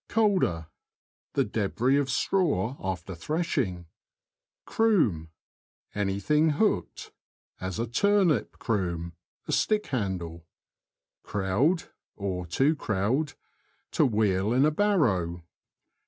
Colder. — The debris of straw after threshing. CroOM. — Anything hooked ; as a turnip croom, a stick handle. Crowd (to). — To wheel in a barrow.